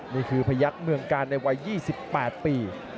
นี่คือพยักษ์เมืองการในวัย๒๘ปี